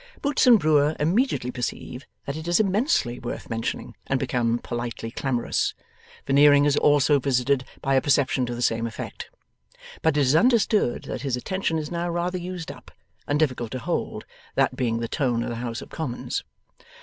Boots and Brewer immediately perceive that it is immensely worth mentioning, and become politely clamorous. Veneering is also visited by a perception to the same effect. But it is understood that his attention is now rather used up, and difficult to hold, that being the tone of the House of Commons.